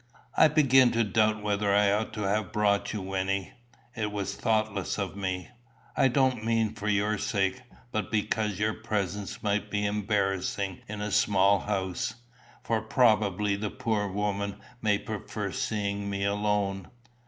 "I begin to doubt whether I ought to have brought you, Wynnie. It was thoughtless of me; I don't mean for your sake, but because your presence may be embarrassing in a small house; for probably the poor woman may prefer seeing me alone."